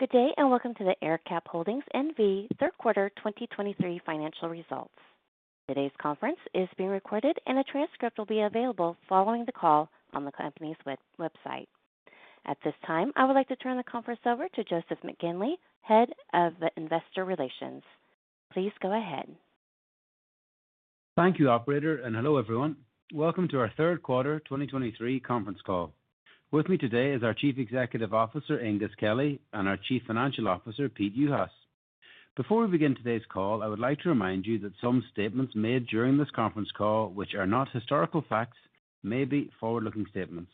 Good day, and welcome to the AerCap Holdings N.V. Third Quarter 2023 Financial Results. Today's conference is being recorded, and a transcript will be available following the call on the company's website. At this time, I would like to turn the conference over to Joseph McGinley, Head of Investor Relations. Please go ahead. Thank you, operator, and hello, everyone. Welcome to our third quarter 2023 conference call. With me today is our Chief Executive Officer, Aengus Kelly, and our Chief Financial Officer, Pete Juhas. Before we begin today's call, I would like to remind you that some statements made during this conference call, which are not historical facts, may be forward-looking statements.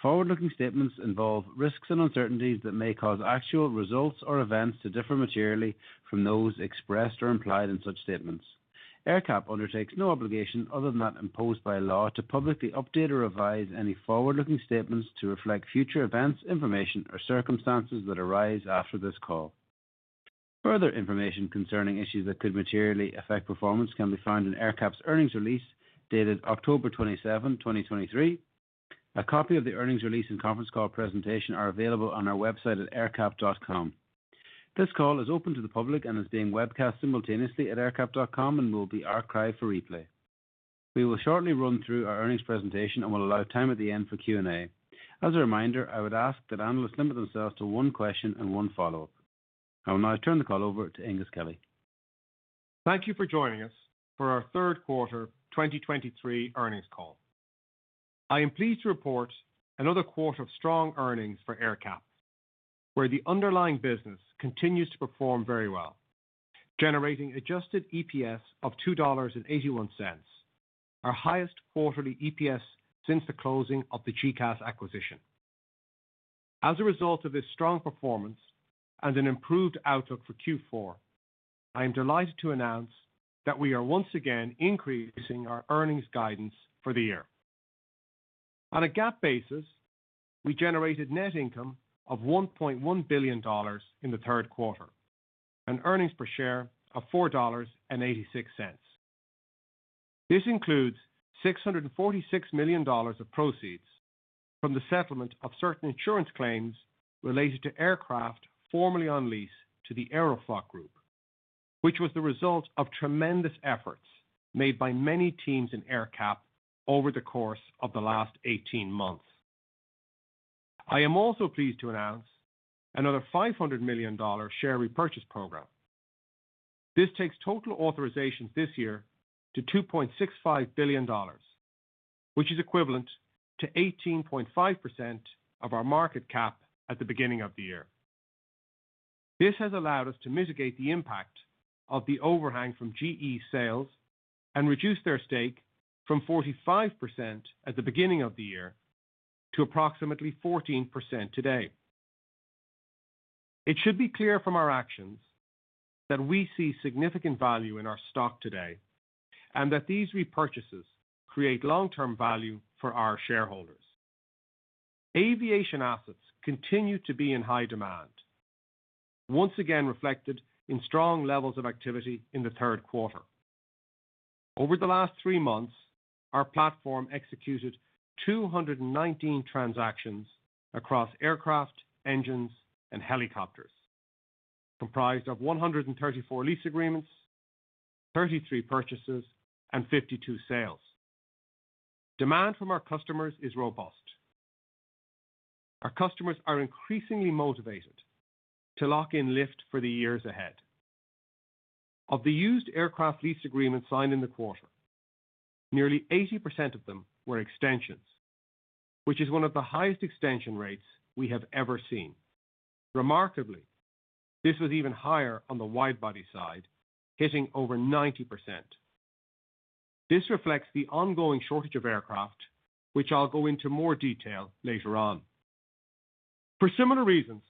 Forward-looking statements involve risks and uncertainties that may cause actual results or events to differ materially from those expressed or implied in such statements. AerCap undertakes no obligation other than that imposed by law to publicly update or revise any forward-looking statements to reflect future events, information, or circumstances that arise after this call. Further information concerning issues that could materially affect performance can be found in AerCap's earnings release, dated October 27, 2023. A copy of the earnings release and conference call presentation are available on our website at AerCap.com. This call is open to the public and is being webcast simultaneously at AerCap.com and will be archived for replay. We will shortly run through our earnings presentation and we'll allow time at the end for Q&A. As a reminder, I would ask that analysts limit themselves to one question and one follow-up. I will now turn the call over to Aengus Kelly. Thank you for joining us for our third quarter 2023 earnings call. I am pleased to report another quarter of strong earnings for AerCap, where the underlying business continues to perform very well, generating adjusted EPS of $2.81, our highest quarterly EPS since the closing of the GECAS acquisition. As a result of this strong performance and an improved outlook for Q4, I am delighted to announce that we are once again increasing our earnings guidance for the year. On a GAAP basis, we generated net income of $1.1 billion in the third quarter and earnings per share of $4.86. This includes $646 million of proceeds from the settlement of certain insurance claims related to Aircraft formerly on lease to the Aeroflot Group, which was the result of tremendous efforts made by many teams in AerCap over the course of the last 18 months. I am also pleased to announce another $500 million share repurchase program. This takes total authorizations this year to $2.65 billion, which is equivalent to 18.5% of our market cap at the beginning of the year. This has allowed us to mitigate the impact of the overhang from GE sales and reduce their stake from 45% at the beginning of the year to approximately 14% today. It should be clear from our actions that we see significant value in our stock today, and that these repurchases create long-term value for our shareholders. Aviation assets continue to be in high demand, once again reflected in strong levels of activity in the third quarter. Over the last three months, our platform executed 219 transactions across Aircraft, Engines, and Helicopters, comprised of 134 lease agreements, 33 purchases, and 52 sales. Demand from our customers is robust. Our customers are increasingly motivated to lock in lift for the years ahead. Of the used aircraft lease agreements signed in the quarter, nearly 80% of them were extensions, which is one of the highest extension rates we have ever seen. Remarkably, this was even higher on the wide-body side, hitting over 90%. This reflects the ongoing shortage of aircraft, which I'll go into more detail later on. For similar reasons,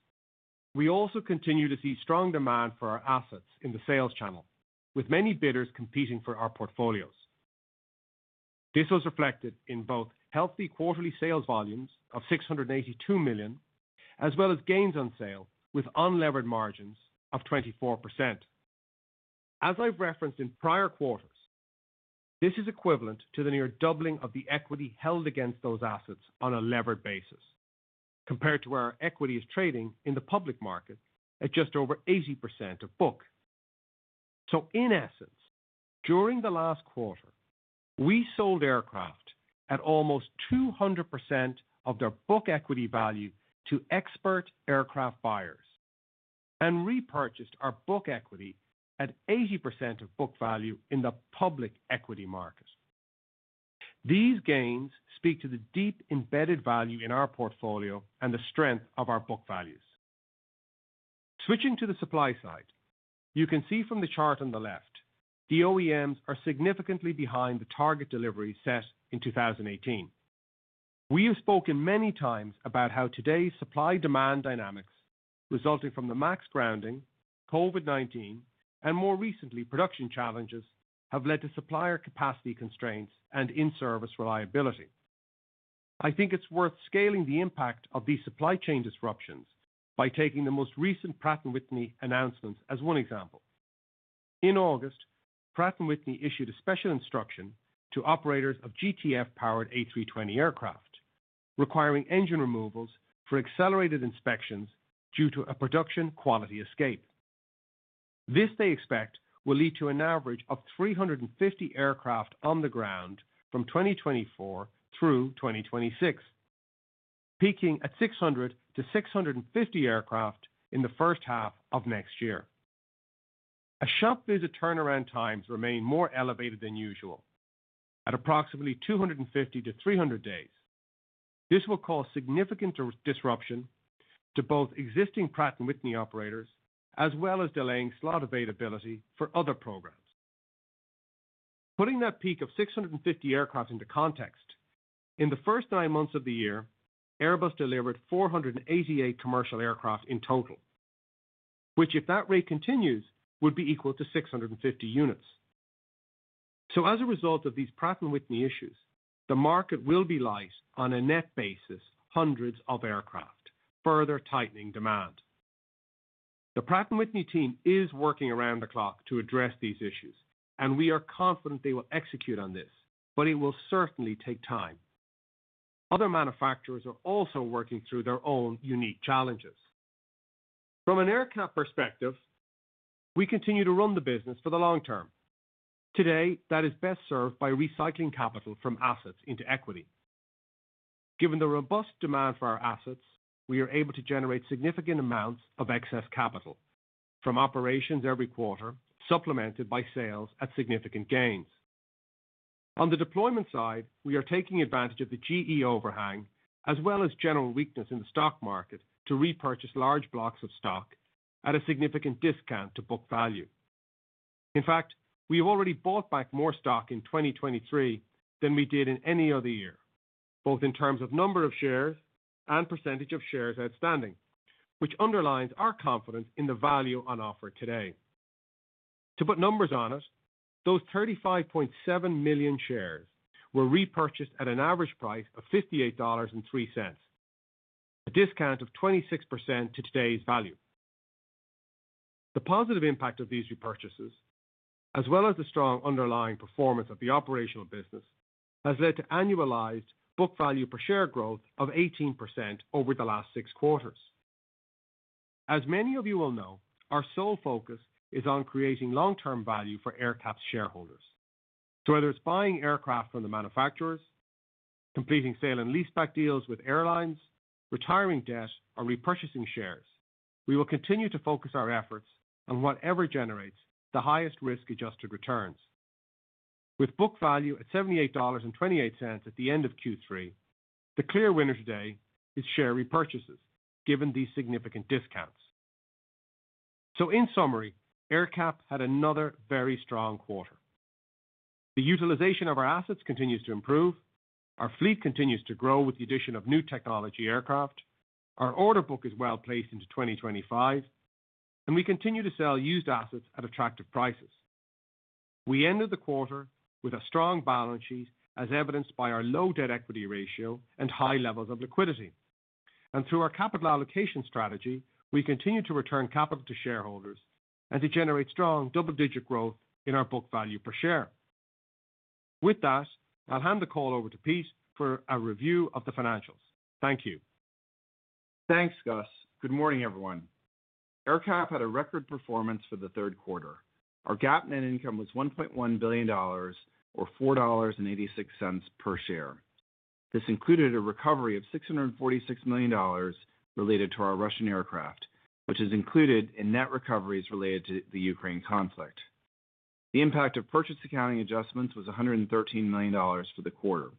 we also continue to see strong demand for our assets in the sales channel, with many bidders competing for our portfolios. This was reflected in both healthy quarterly sales volumes of $682 million, as well as gains on sale, with unlevered margins of 24%. As I've referenced in prior quarters, this is equivalent to the near doubling of the equity held against those assets on a levered basis, compared to where our equity is trading in the public market at just over 80% of book. So in essence, during the last quarter, we sold aircraft at almost 200% of their book equity value to expert aircraft buyers and repurchased our book equity at 80% of book value in the public equity market. These gains speak to the deep embedded value in our portfolio and the strength of our book values. Switching to the supply side, you can see from the chart on the left, the OEMs are significantly behind the target delivery set in 2018. We have spoken many times about how today's supply-demand dynamics, resulting from the MAX grounding, COVID-19, and more recently, production challenges, have led to supplier capacity constraints and in-service reliability. I think it's worth scaling the impact of these supply chain disruptions by taking the most recent Pratt & Whitney announcements as one example.... In August, Pratt & Whitney issued a special instruction to operators of GTF-powered A320 aircraft, requiring engine removals for accelerated inspections due to a production quality escape. This, they expect, will lead to an average of 350 aircraft on the ground from 2024 through 2026, peaking at 600-650 aircraft in the first half of next year. As shop visit turnaround times remain more elevated than usual, at approximately 250-300 days, this will cause significant disruption to both existing Pratt & Whitney operators, as well as delaying slot availability for other programs. Putting that peak of 650 aircraft into context, in the first nine months of the year, Airbus delivered 488 commercial aircraft in total, which, if that rate continues, would be equal to 650 units. So as a result of these Pratt & Whitney issues, the market will be light on a net basis, hundreds of aircraft, further tightening demand. The Pratt & Whitney team is working around the clock to address these issues, and we are confident they will execute on this, but it will certainly take time. Other manufacturers are also working through their own unique challenges. From an AerCap perspective, we continue to run the business for the long term. Today, that is best served by recycling capital from assets into equity. Given the robust demand for our assets, we are able to generate significant amounts of excess capital from operations every quarter, supplemented by sales at significant gains. On the deployment side, we are taking advantage of the GE overhang, as well as general weakness in the stock market, to repurchase large blocks of stock at a significant discount to book value. In fact, we have already bought back more stock in 2023 than we did in any other year, both in terms of number of shares and percentage of shares outstanding, which underlines our confidence in the value on offer today. To put numbers on it, those 35.7 million shares were repurchased at an average price of $58.03, a discount of 26% to today's value. The positive impact of these repurchases, as well as the strong underlying performance of the operational business, has led to annualized book value per share growth of 18% over the last six quarters. As many of you all know, our sole focus is on creating long-term value for AerCap's shareholders. So whether it's buying aircraft from the manufacturers, completing sale and leaseback deals with airlines, retiring debt, or repurchasing shares, we will continue to focus our efforts on whatever generates the highest risk-adjusted returns. With book value at $78.28 at the end of Q3, the clear winner today is share repurchases, given these significant discounts. So in summary, AerCap had another very strong quarter. The utilization of our assets continues to improve. Our fleet continues to grow with the addition of new technology aircraft. Our order book is well placed into 2025, and we continue to sell used assets at attractive prices. We ended the quarter with a strong balance sheet, as evidenced by our low debt equity ratio and high levels of liquidity. Through our capital allocation strategy, we continue to return capital to shareholders as we generate strong double-digit growth in our book value per share. With that, I'll hand the call over to Pete for a review of the financials. Thank you. Thanks, Gus. Good morning, everyone. AerCap had a record performance for the third quarter. Our GAAP net income was $1.1 billion, or $4.86 per share. This included a recovery of $646 million related to our Russian aircraft, which is included in net recoveries related to the Ukraine conflict. The impact of purchase accounting adjustments was $113 million for the quarter.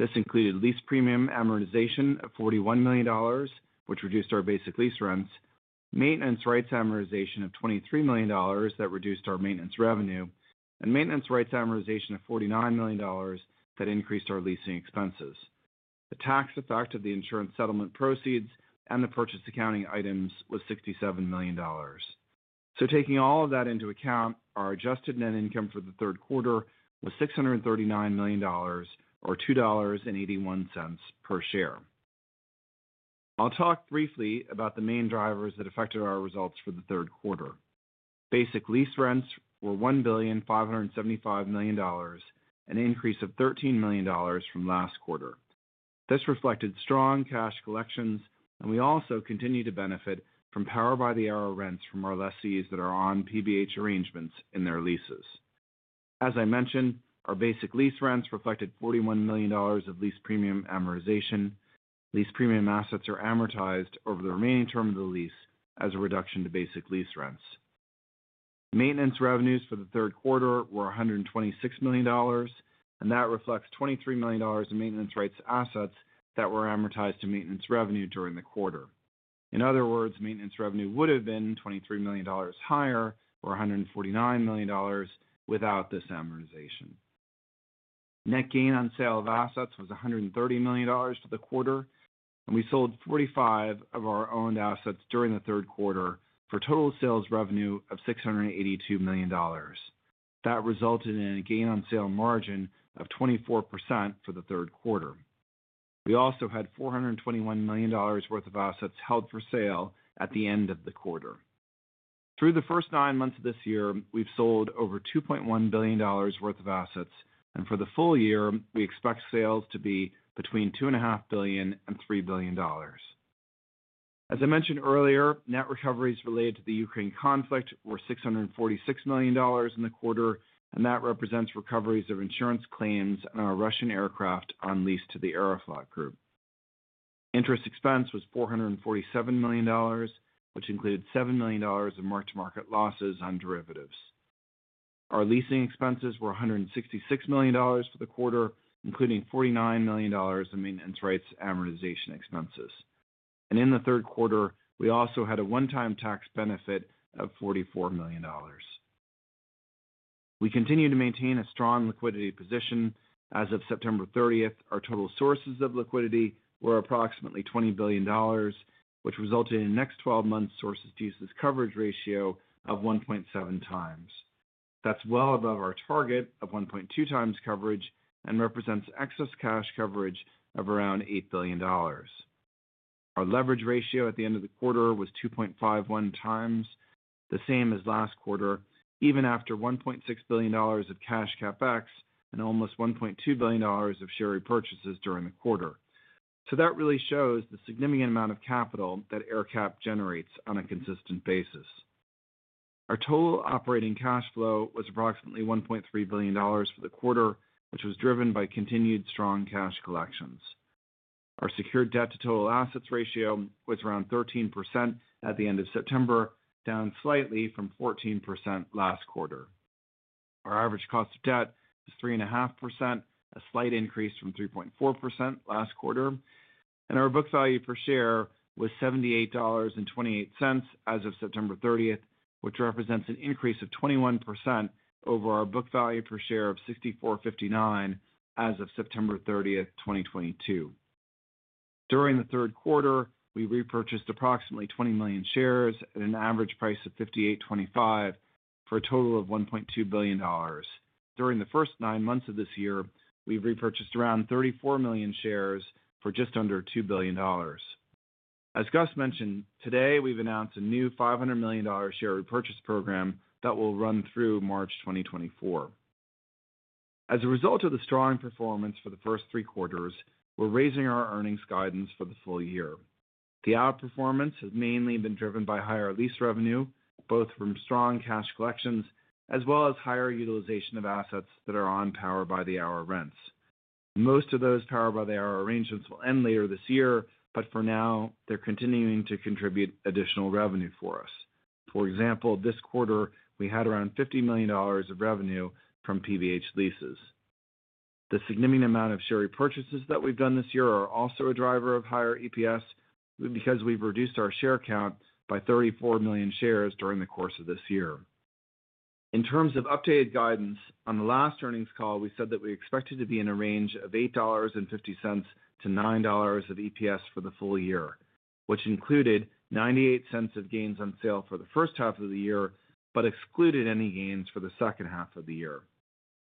This included lease premium amortization of $41 million, which reduced our basic lease rents, maintenance rights amortization of $23 million that reduced our maintenance revenue, and maintenance rights amortization of $49 million that increased our leasing expenses. The tax effect of the insurance settlement proceeds and the purchase accounting items was $67 million. So taking all of that into account, our adjusted net income for the third quarter was $639 million or $2.81 per share. I'll talk briefly about the main drivers that affected our results for the third quarter. Basic lease rents were $1,575 million, an increase of $13 million from last quarter. This reflected strong cash collections, and we also continued to benefit from power by the hour rents from our lessees that are on PBH arrangements in their leases. As I mentioned, our basic lease rents reflected $41 million of lease premium amortization. Lease premium assets are amortized over the remaining term of the lease as a reduction to basic lease rents. Maintenance revenues for the third quarter were $126 million, and that reflects $23 million in maintenance rights assets that were amortized to maintenance revenue during the quarter. In other words, maintenance revenue would have been $23 million higher or $149 million without this amortization. Net gain on sale of assets was $130 million for the quarter, and we sold 45 of our owned assets during the third quarter for total sales revenue of $682 million. That resulted in a gain on sale margin of 24% for the third quarter. We also had $421 million worth of assets held for sale at the end of the quarter. Through the first nine months of this year, we've sold over $2.1 billion worth of assets, and for the full year, we expect sales to be between $2.5 billion and $3 billion. As I mentioned earlier, net recoveries related to the Ukraine conflict were $646 million in the quarter, and that represents recoveries of insurance claims on our Russian aircraft on lease to the Aeroflot Group. Interest expense was $447 million, which included $7 million of mark-to-market losses on derivatives. Our leasing expenses were $166 million for the quarter, including $49 million in maintenance rights amortization expenses. And in the third quarter, we also had a one-time tax benefit of $44 million. We continue to maintain a strong liquidity position. As of September 30, our total sources of liquidity were approximately $20 billion, which resulted in the next 12 months sources to uses coverage ratio of 1.7x. That's well above our target of 1.2x coverage and represents excess cash coverage of around $8 billion. Our leverage ratio at the end of the quarter was 2.51x, the same as last quarter, even after $1.6 billion of cash CapEx and almost $1.2 billion of share repurchases during the quarter. So that really shows the significant amount of capital that AerCap generates on a consistent basis. Our total operating cash flow was approximately $1.3 billion for the quarter, which was driven by continued strong cash collections. Our secured debt to total assets ratio was around 13% at the end of September, down slightly from 14% last quarter. Our average cost of debt is 3.5%, a slight increase from 3.4% last quarter, and our book value per share was $78.28 as of September 30, which represents an increase of 21% over our book value per share of $64.59 as of September 30, 2022. During the third quarter, we repurchased approximately 20 million shares at an average price of $58.25, for a total of $1.2 billion. During the first nine months of this year, we've repurchased around 34 million shares for just under $2 billion. As Gus mentioned, today, we've announced a new $500 million share repurchase program that will run through March 2024. As a result of the strong performance for the first three quarters, we're raising our earnings guidance for the full year. The outperformance has mainly been driven by higher lease revenue, both from strong cash collections as well as higher utilization of assets that are on power by the hour rents. Most of those power by the hour arrangements will end later this year, but for now, they're continuing to contribute additional revenue for us. For example, this quarter, we had around $50 million of revenue from PBH leases. The significant amount of share repurchases that we've done this year are also a driver of higher EPS, because we've reduced our share count by 34 million shares during the course of this year. In terms of updated guidance, on the last earnings call, we said that we expected to be in a range of $8.50-$9 of EPS for the full year, which included $0.98 of gains on sale for the first half of the year, but excluded any gains for the second half of the year.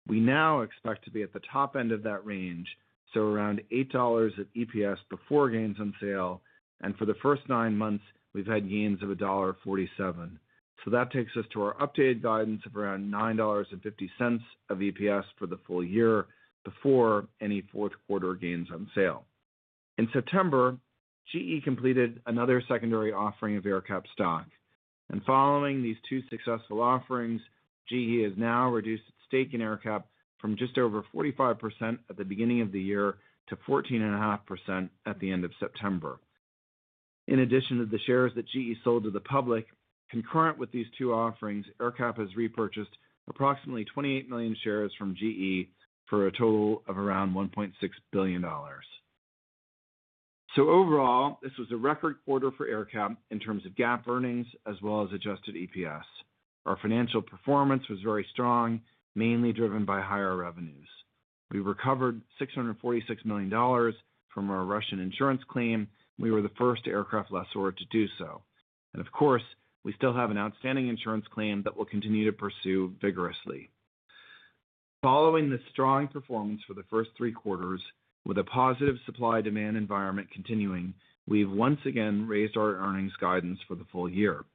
We now expect to be at the top end of that range, so around $8 of EPS before gains on sale, and for the first nine months, we've had gains of $1.47. So that takes us to our updated guidance of around $9.50 of EPS for the full year before any fourth quarter gains on sale. In September, GE completed another secondary offering of AerCap stock. Following these two successful offerings, GE has now reduced its stake in AerCap from just over 45% at the beginning of the year to 14.5% at the end of September. In addition to the shares that GE sold to the public, concurrent with these two offerings, AerCap has repurchased approximately 28 million shares from GE for a total of around $1.6 billion. Overall, this was a record quarter for AerCap in terms of GAAP earnings as well as adjusted EPS. Our financial performance was very strong, mainly driven by higher revenues. We recovered $646 million from our Russian insurance claim. We were the first aircraft lessor to do so. And of course, we still have an outstanding insurance claim that we'll continue to pursue vigorously. Following this strong performance for the first three quarters, with a positive supply-demand environment continuing, we've once again raised our earnings guidance for the full year.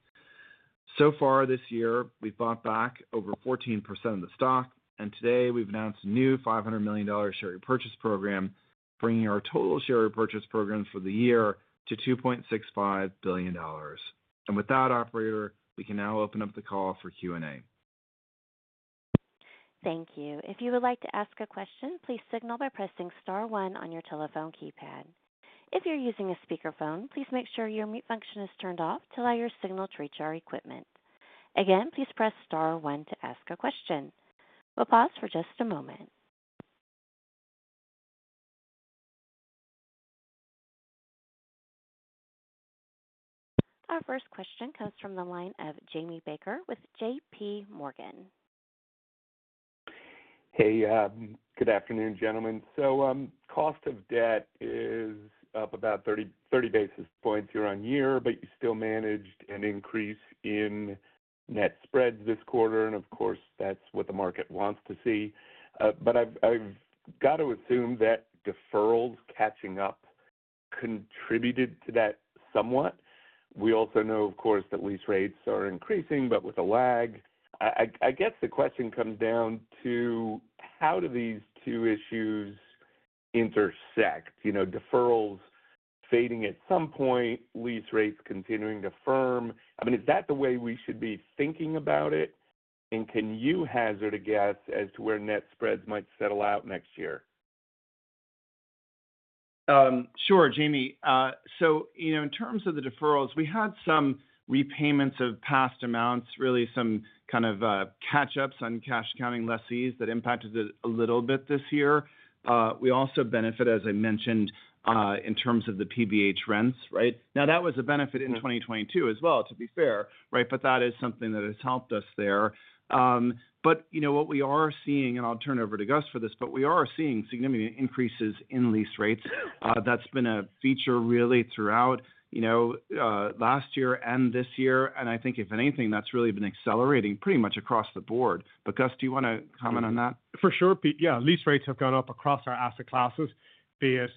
So far this year, we've bought back over 14% of the stock, and today we've announced a new $500 million share repurchase program, bringing our total share repurchase program for the year to $2.65 billion. And with that, operator, we can now open up the call for Q&A. Thank you. If you would like to ask a question, please signal by pressing star one on your telephone keypad. If you're using a speakerphone, please make sure your mute function is turned off to allow your signal to reach our equipment. Again, please press star one to ask a question. We'll pause for just a moment. Our first question comes from the line of Jamie Baker with JPMorgan. Hey, good afternoon, gentlemen. So, cost of debt is up about 30, 30 basis points year-on-year, but you still managed an increase in net spreads this quarter, and of course, that's what the market wants to see. But I've got to assume that deferral's catching up contributed to that somewhat. We also know, of course, that lease rates are increasing, but with a lag. I guess the question comes down to: How do these two issues intersect? You know, deferrals fading at some point, lease rates continuing to firm. I mean, is that the way we should be thinking about it? And can you hazard a guess as to where net spreads might settle out next year? Sure, Jamie. So, you know, in terms of the deferrals, we had some repayments of past amounts, really some kind of catch-ups on cash accounting lessees. That impacted it a little bit this year. We also benefit, as I mentioned, in terms of the PBH rents, right? Now, that was a benefit in 2022 as well, to be fair, right? But that is something that has helped us there. But you know, what we are seeing, and I'll turn it over to Gus for this, but we are seeing significant increases in lease rates. That's been a feature really throughout, you know, last year and this year. And I think if anything, that's really been accelerating pretty much across the board. But Gus, do you want to comment on that? For sure, Pete. Yeah, lease rates have gone up across our asset classes, be it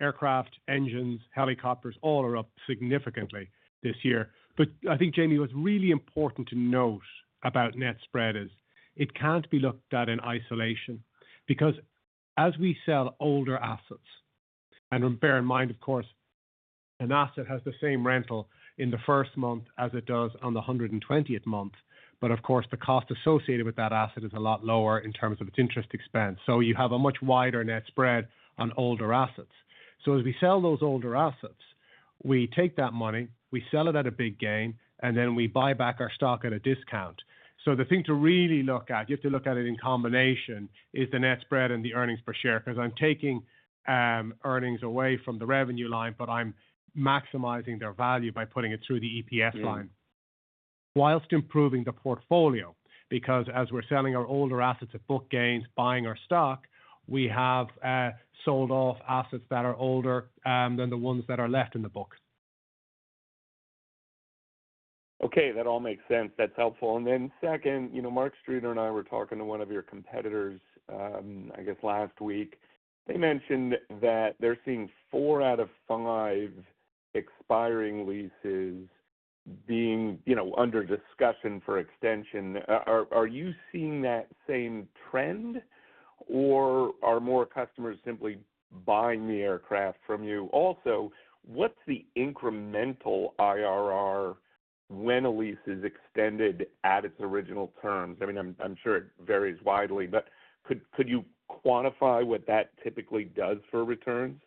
Aircraft, Engines, Helicopters, all are up significantly this year. But I think, Jamie, what's really important to note about net spread is it can't be looked at in isolation. Because as we sell older assets, and bear in mind, of course, an asset has the same rental in the first month as it does on the 120th month, but of course, the cost associated with that asset is a lot lower in terms of its interest expense. So you have a much wider net spread on older assets. So as we sell those older assets, we take that money, we sell it at a big gain, and then we buy back our stock at a discount. The thing to really look at, you have to look at it in combination, is the net spread and the earnings per share. Because I'm taking earnings away from the revenue line, but I'm maximizing their value by putting it through the EPS line- Yeah... whilst improving the portfolio, because as we're selling our older assets at book gains, buying our stock, we have sold off assets that are older than the ones that are left in the books. Okay, that all makes sense. That's helpful. And then second, you know, Mark Streeter and I were talking to one of your competitors, I guess last week. They mentioned that they're seeing four out of five expiring leases being, you know, under discussion for extension. Are you seeing that same trend, or are more customers simply buying the aircraft from you? Also, what's the incremental IRR when a lease is extended at its original terms? I mean, I'm sure it varies widely, but could you quantify what that typically does for returns?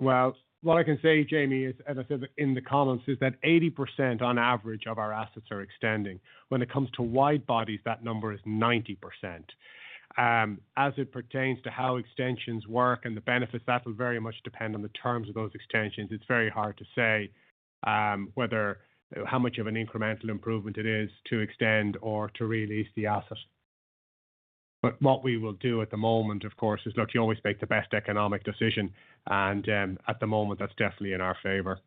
Well, what I can say, Jamie, is, as I said in the comments, is that 80% on average of our assets are extending. When it comes to wide bodies, that number is 90%. As it pertains to how extensions work and the benefits, that will very much depend on the terms of those extensions. It's very hard to say whether, how much of an incremental improvement it is to extend or to re-lease the asset. But what we will do at the moment, of course, is look, you always make the best economic decision, and at the moment, that's definitely in our favor.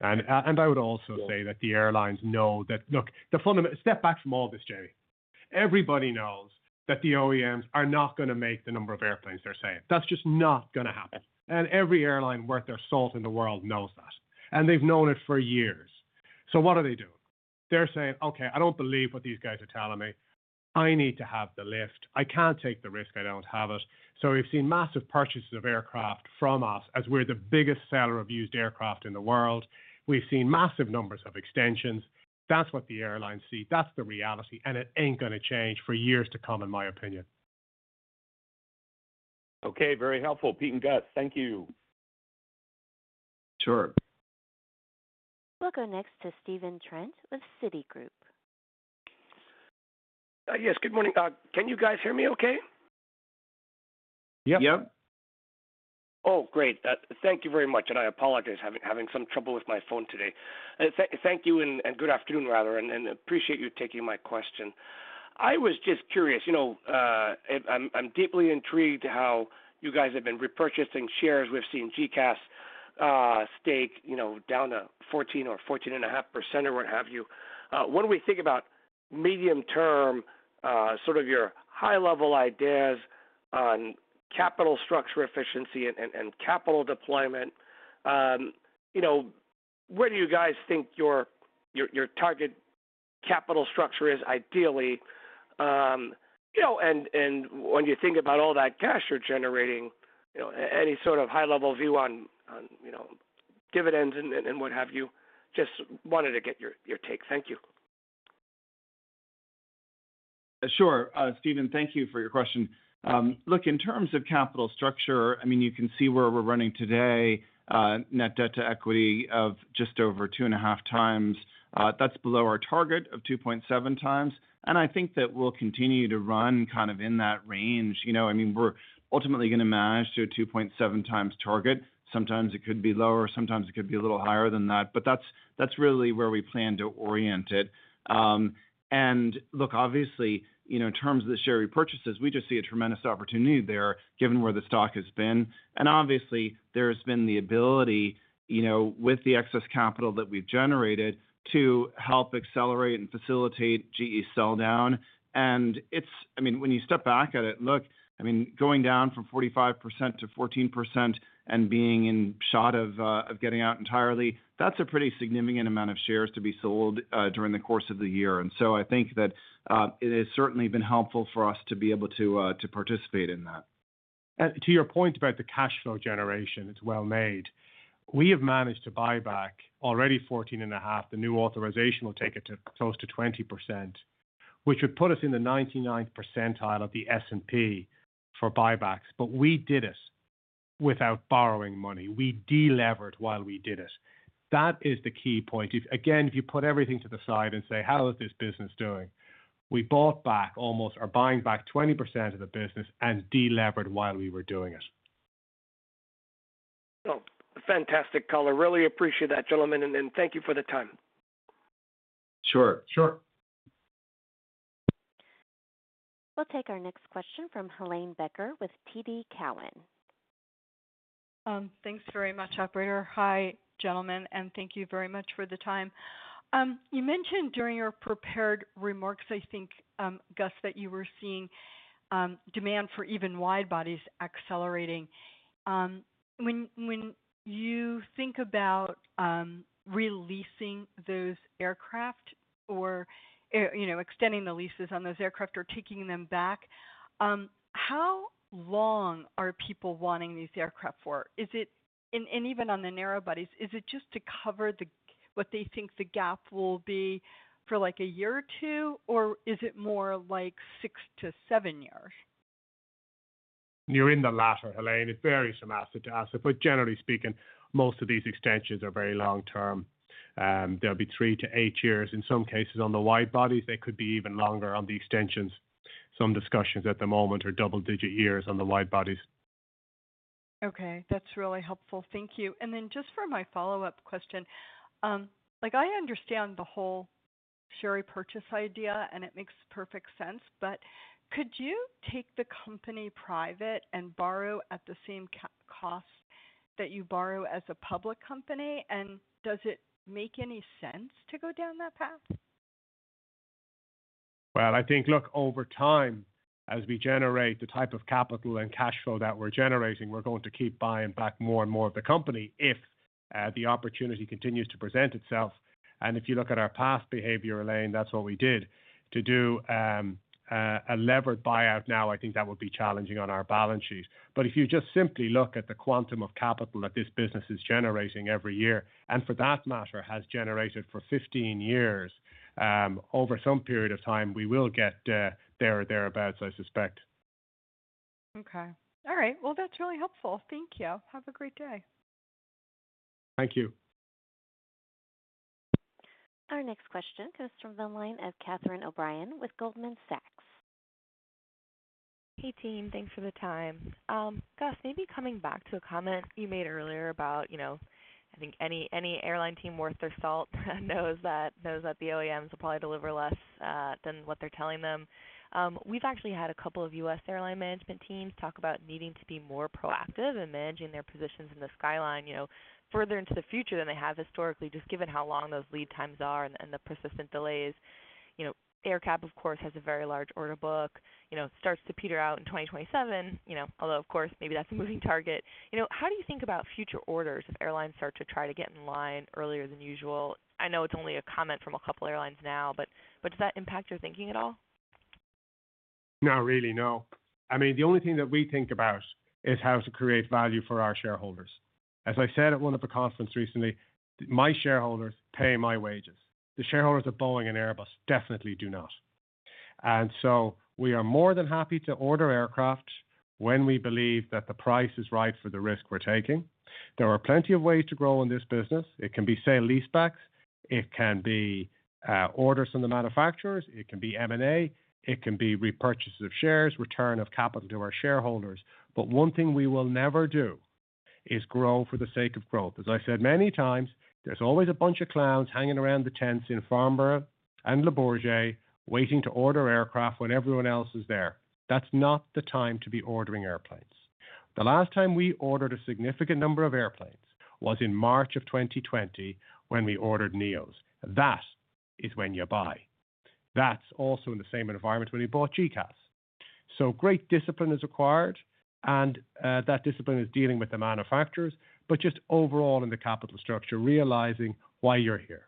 And I would also say that the airlines know that... Look, step back from all this, Jamie. Everybody knows that the OEMs are not going to make the number of airplanes they're saying. That's just not going to happen. And every airline worth their salt in the world knows that, and they've known it for years. So what are they doing? They're saying, Okay, I don't believe what these guys are telling me. I need to have the lift. I can't take the risk. I don't have it. So we've seen massive purchases of aircraft from us, as we're the biggest seller of used aircraft in the world. We've seen massive numbers of extensions. That's what the airlines see. That's the reality, and it ain't going to change for years to come, in my opinion. Okay, very helpful. Pete and Gus, thank you. Sure. We'll go next to Stephen Trent with Citigroup. Yes, good morning. Can you guys hear me okay? Yep. Yep. Oh, great. Thank you very much, and I apologize. Having some trouble with my phone today. Thank you and good afternoon, rather, and appreciate you taking my question. I was just curious, you know, and I'm deeply intrigued how you guys have been repurchasing shares. We've seen GECAS stake, you know, down to 14% or 14.5% or what have you. When we think about medium-term, sort of your high-level ideas on capital structure efficiency and capital deployment, you know, where do you guys think your target capital structure is ideally? You know, and when you think about all that cash you're generating, you know, any sort of high-level view on, you know, dividends and what have you? Just wanted to get your take. Thank you. Sure. Stephen, thank you for your question. Look, in terms of capital structure, I mean, you can see where we're running today, net debt to equity of just over 2.5x. That's below our target of 2.7x, and I think that we'll continue to run kind of in that range. You know, I mean, we're ultimately going to manage to a 2.7x target. Sometimes it could be lower, sometimes it could be a little higher than that, but that's, that's really where we plan to orient it. And look, obviously, you know, in terms of the share repurchases, we just see a tremendous opportunity there, given where the stock has been. And obviously, there's been the ability, you know, with the excess capital that we've generated, to help accelerate and facilitate GE sell down. And it's... I mean, when you step back at it, look, I mean, going down from 45% to 14% and being in sight of getting out entirely, that's a pretty significant amount of shares to be sold during the course of the year. And so I think that it has certainly been helpful for us to be able to participate in that. To your point about the cash flow generation, it's well made. We have managed to buy back already 14.5%. The new authorization will take it to close to 20%, which would put us in the 99th percentile of the S&P for buybacks. We did it without borrowing money. We delevered while we did it. That is the key point. If, again, if you put everything to the side and say, How is this business doing? We bought back almost, or buying back, 20% of the business and delevered while we were doing it. Well, fantastic color. Really appreciate that, gentlemen, and, and thank you for the time. Sure. Sure. We'll take our next question from Helane Becker with TD Cowen. Thanks very much, operator. Hi, gentlemen, and thank you very much for the time. You mentioned during your prepared remarks, I think, Gus, that you were seeing demand for even wide-bodies accelerating. When you think about releasing those aircraft or, you know, extending the leases on those aircraft or taking them back, how long are people wanting these aircraft for? Is it—and even on the narrow bodies, is it just to cover what they think the gap will be for, like, a year or two, or is it more like six to seven years? You're in the latter, Helane. It varies from asset to asset, but generally speaking, most of these extensions are very long term. They'll be three to eight years. In some cases, on the wide bodies, they could be even longer on the extensions. Some discussions at the moment are double-digit years on the wide bodies. Okay, that's really helpful. Thank you. And then just for my follow-up question, like, I understand the whole share repurchase idea, and it makes perfect sense, but could you take the company private and borrow at the same costs that you borrow as a public company? And does it make any sense to go down that path? Well, I think, look, over time, as we generate the type of capital and cash flow that we're generating, we're going to keep buying back more and more of the company if the opportunity continues to present itself. And if you look at our past behavior, Helane, that's what we did. To do a levered buyout now, I think that would be challenging on our balance sheet. But if you just simply look at the quantum of capital that this business is generating every year, and for that matter, has generated for 15 years, over some period of time, we will get there or thereabouts, I suspect. Okay. All right. Well, that's really helpful. Thank you. Have a great day. Thank you. Our next question comes from the line of Catherine O'Brien with Goldman Sachs. Hey, team. Thanks for the time. Gus, maybe coming back to a comment you made earlier about, you know, I think any, any airline team worth their salt knows that, knows that the OEMs will probably deliver less than what they're telling them. We've actually had a couple of U.S. airline management teams talk about needing to be more proactive in managing their positions in the supply line, you know, further into the future than they have historically, just given how long those lead times are and, and the persistent delays. You know, AerCap, of course, has a very large order book, you know, starts to peter out in 2027, you know, although, of course, maybe that's a moving target. You know, how do you think about future orders if airlines start to try to get in line earlier than usual? I know it's only a comment from a couple of airlines now, but does that impact your thinking at all? Not really, no. I mean, the only thing that we think about is how to create value for our shareholders. As I said at one of the conference recently, my shareholders pay my wages. The shareholders of Boeing and Airbus definitely do not. And so we are more than happy to order aircraft when we believe that the price is right for the risk we're taking. There are plenty of ways to grow in this business. It can be sale-leasebacks, it can be orders from the manufacturers, it can be M&A, it can be repurchases of shares, return of capital to our shareholders. But one thing we will never do is grow for the sake of growth. As I said many times, there's always a bunch of clowns hanging around the tents in Farnborough and Le Bourget, waiting to order aircraft when everyone else is there. That's not the time to be ordering airplanes. The last time we ordered a significant number of airplanes was in March of 2020, when we ordered NEOS. That is when you buy. That's also in the same environment when we bought GECAS. So great discipline is required, and that discipline is dealing with the manufacturers, but just overall in the capital structure, realizing why you're here.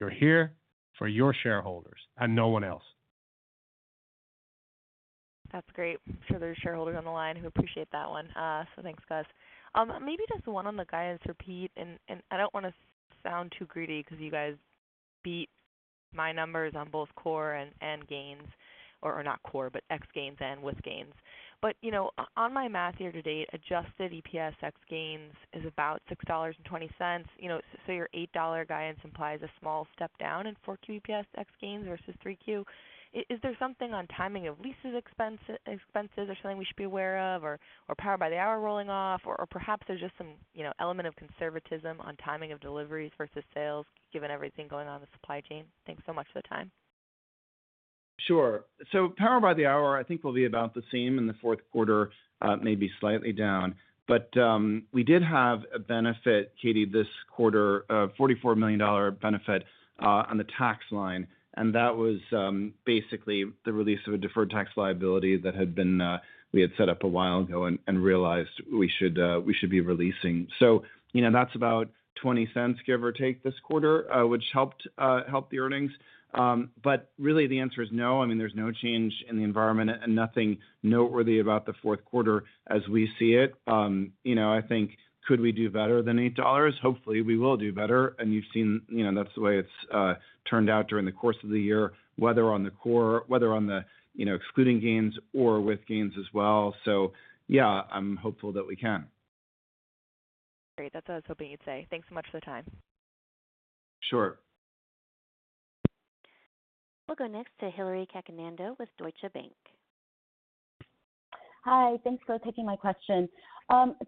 You're here for your shareholders and no one else. That's great. I'm sure there are shareholders on the line who appreciate that one. So thanks, Gus. Maybe just one on the guidance for Pete, and I don't want to sound too greedy because you guys beat my numbers on both core and gains, or not core, but ex gains and with gains. But you know, on my math year to date, adjusted EPS ex gains is about $6.20. You know, so your $8 guidance implies a small step down in 4Q EPS ex gains versus 3Q. Is there something on timing of leases expense, expenses or something we should be aware of, or power by the hour rolling off? Or perhaps there's just some, you know, element of conservatism on timing of deliveries versus sales, given everything going on in the supply chain. Thanks so much for the time. Sure. So power by the hour, I think, will be about the same in the fourth quarter, maybe slightly down. But, we did have a benefit, Katie, this quarter, a $44 million benefit on the tax line, and that was basically the release of a deferred tax liability that had been we had set up a while ago and realized we should be releasing. So, you know, that's about $0.20, give or take, this quarter, which helped the earnings. But really the answer is no. I mean, there's no change in the environment and nothing noteworthy about the fourth quarter as we see it. You know, I think, could we do better than $8? Hopefully, we will do better, and you've seen, you know, that's the way it's turned out during the course of the year, whether on the core, whether on the, you know, excluding gains or with gains as well. So yeah, I'm hopeful that we can. Great, that's what I was hoping you'd say. Thanks so much for the time. Sure. We'll go next to Hillary Cacanando with Deutsche Bank. Hi, thanks for taking my question.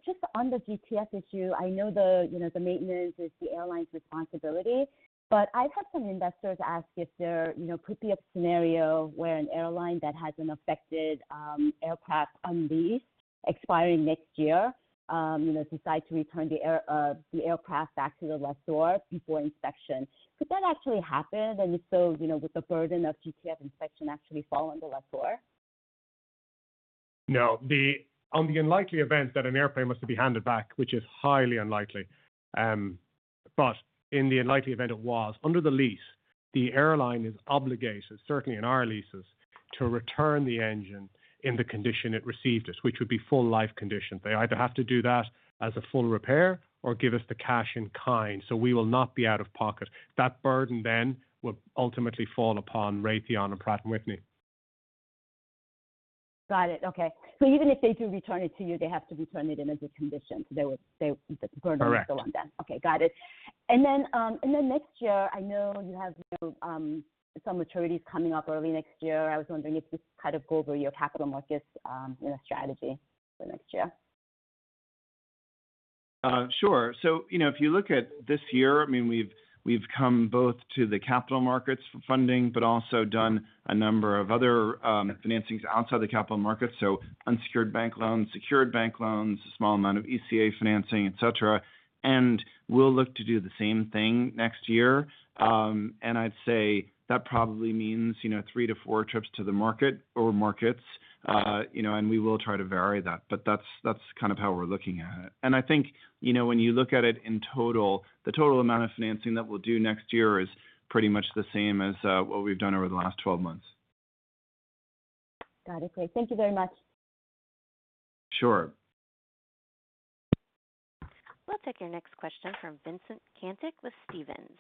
Just on the GTF issue, I know the, you know, the maintenance is the airline's responsibility, but I've had some investors ask if there, you know, could be a scenario where an airline that has an affected aircraft on lease expiring next year, you know, decide to return the aircraft back to the lessor before inspection. Could that actually happen? And if so, you know, would the burden of GTF inspection actually fall on the lessor? No. On the unlikely event that an airplane was to be handed back, which is highly unlikely, but in the unlikely event it was, under the lease, the airline is obligated, certainly in our leases, to return the engine in the condition it received it, which would be full life condition. They either have to do that as a full repair or give us the cash in kind, so we will not be out of pocket. That burden then will ultimately fall upon Raytheon and Pratt & Whitney. Got it. Okay. So even if they do return it to you, they have to return it in a good condition. So they would, they- Correct. -the burden would still on them. Okay, got it. And then, and then next year, I know you have some maturities coming up early next year. I was wondering if you could kind of go over your capital markets, you know, strategy for next year. Sure. So, you know, if you look at this year, I mean, we've come both to the capital markets for funding, but also done a number of other financings outside the capital markets, so unsecured bank loans, secured bank loans, a small amount of ECA financing, et cetera. And we'll look to do the same thing next year. And I'd say that probably means, you know, three to four trips to the market or markets. You know, and we will try to vary that, but that's, that's kind of how we're looking at it. And I think, you know, when you look at it in total, the total amount of financing that we'll do next year is pretty much the same as what we've done over the last twelve months. Got it. Okay. Thank you very much. Sure. We'll take your next question from Vincent Caintic with Stephens.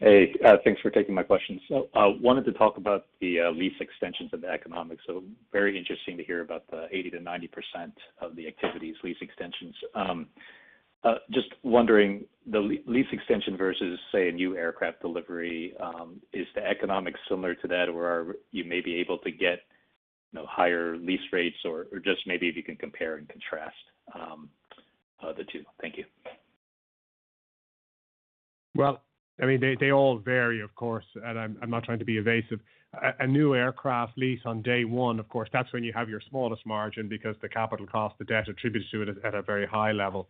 Hey, thanks for taking my question. So I wanted to talk about the lease extensions and the economics. So very interesting to hear about the 80%-90% of the activity is lease extensions. Just wondering, the lease extension versus, say, a new aircraft delivery, is the economics similar to that, or are... You may be able to get, you know, higher lease rates or, or just maybe if you can compare and contrast the two? Thank you. Well, I mean, they all vary, of course, and I'm not trying to be evasive. A new aircraft lease on day one, of course, that's when you have your smallest margin because the capital cost, the debt attributed to it, is at a very high level.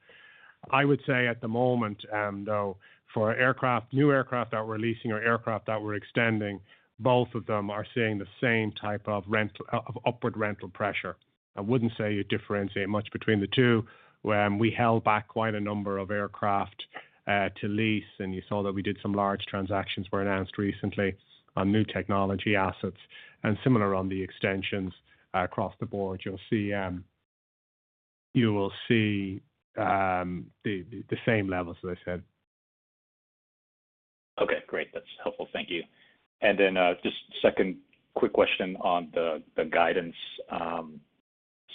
I would say at the moment, though, for aircraft, new aircraft that we're leasing or aircraft that we're extending, both of them are seeing the same type of rental of upward rental pressure. I wouldn't say you differentiate much between the two. We held back quite a number of aircraft to lease, and you saw that we did some large transactions were announced recently on new technology assets and similar on the extensions across the board. You'll see, you will see, the same levels, as I said. Okay, great. That's helpful. Thank you. And then, just second quick question on the, the guidance.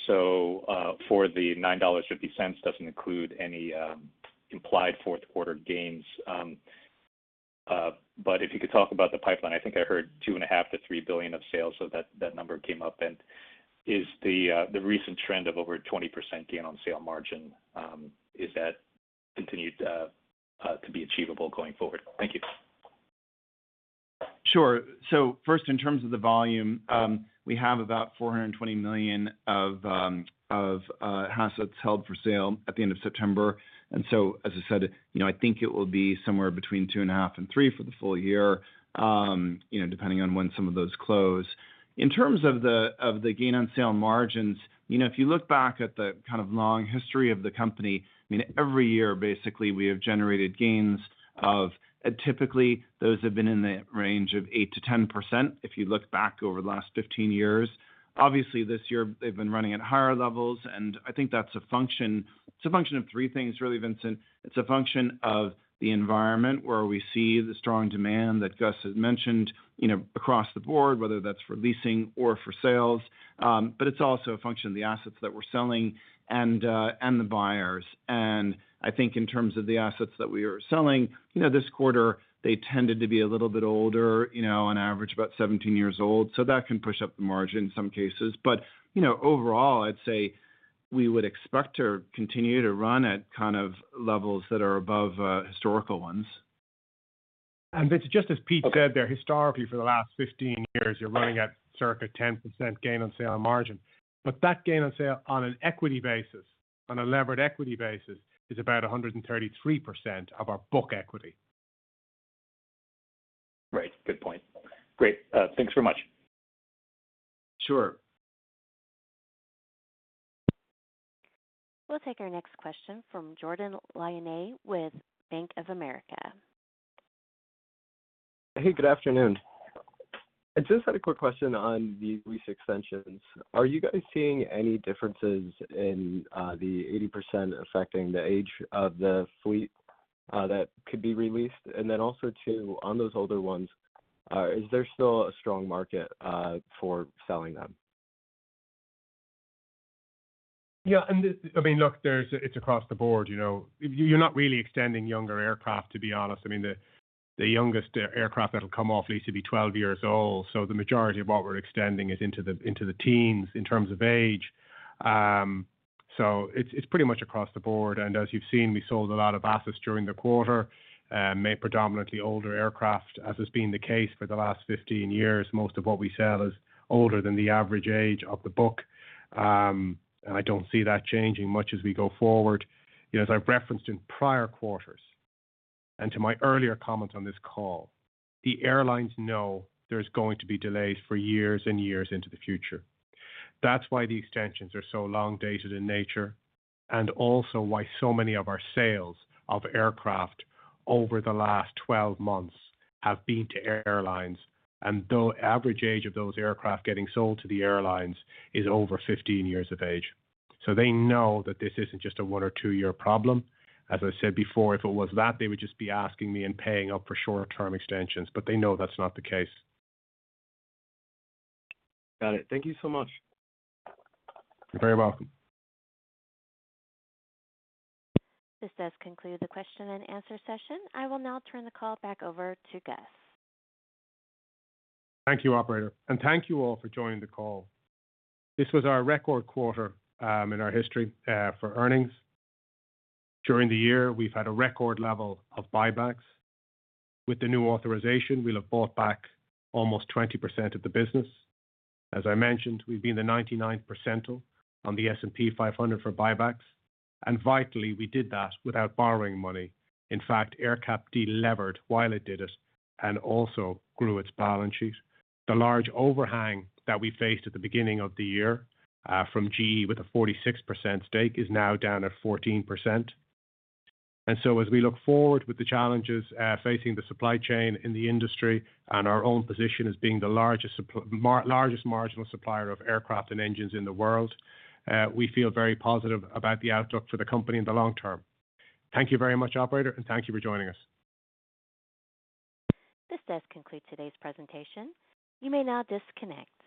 So, for the $9.50, doesn't include any implied fourth quarter gains. But if you could talk about the pipeline, I think I heard $2.5 billion-$3 billion of sales, so that, that number came up. And is the, the recent trend of over 20% gain on sale margin, is that continued to be achievable going forward? Thank you. Sure. So first, in terms of the volume, we have about $420 million of assets held for sale at the end of September. So, as I said, you know, I think it will be somewhere between $2.5 and 3 billion for the full year, you know, depending on when some of those close. In terms of the gain on sale margins, you know, if you look back at the kind of long history of the company, I mean, every year, basically, we have generated gains of... Typically, those have been in the range of 8%-10%, if you look back over the last 15 years. Obviously, this year, they've been running at higher levels, and I think that's a function, it's a function of three things, really, Vincent. It's a function of the environment, where we see the strong demand that Gus has mentioned, you know, across the board, whether that's for leasing or for sales. But it's also a function of the assets that we're selling and the buyers. I think in terms of the assets that we are selling, you know, this quarter, they tended to be a little bit older, you know, on average, about 17 years old. So that can push up the margin in some cases. But, you know, overall, I'd say we would expect to continue to run at kind of levels that are above historical ones. Vincent, just as Pete said, there historically, for the last 15 years, you're running at circa 10% gain on sale on margin. But that gain on sale on an equity basis, on a levered equity basis, is about 133% of our book equity. Right. Good point. Great. Thanks very much. Sure. We'll take our next question from Jordan Lyonnais with Bank of America. Hey, good afternoon. I just had a quick question on the lease extensions. Are you guys seeing any differences in the 80% affecting the age of the fleet that could be re-leased? And then also, too, on those older ones, is there still a strong market for selling them? Yeah, and, I mean, look, there's—it's across the board, you know. You're not really extending younger aircraft, to be honest. I mean, the youngest aircraft that'll come off lease will be 12 years old, so the majority of what we're extending is into the teens in terms of age. It's pretty much across the board. As you've seen, we sold a lot of assets during the quarter, mainly predominantly older aircraft, as has been the case for the last 15 years. Most of what we sell is older than the average age of the book. I don't see that changing much as we go forward. You know, as I've referenced in prior quarters, and to my earlier comment on this call, the airlines know there's going to be delays for years and years into the future. That's why the extensions are so long dated in nature, and also why so many of our sales of aircraft over the last 12 months have been to airlines. And the average age of those aircraft getting sold to the airlines is over 15 years of age. So they know that this isn't just a one- or two-year problem. As I said before, if it was that, they would just be asking me and paying up for short-term extensions, but they know that's not the case. Got it. Thank you so much. You're very welcome. This does conclude the question-and-answer session. I will now turn the call back over to Gus. Thank you, operator, and thank you all for joining the call. This was our record quarter in our history for earnings. During the year, we've had a record level of buybacks. With the new authorization, we'll have bought back almost 20% of the business. As I mentioned, we've been the 99th percentile on the S&P 500 for buybacks, and vitally, we did that without borrowing money. In fact, AerCap delevered while it did it and also grew its balance sheet. The large overhang that we faced at the beginning of the year from GE with a 46% stake is now down to 14%. And so as we look forward with the challenges facing the supply chain in the industry and our own position as being the largest marginal supplier of aircraft and engines in the world, we feel very positive about the outlook for the company in the long term. Thank you very much, operator, and thank you for joining us. This does conclude today's presentation. You may now disconnect.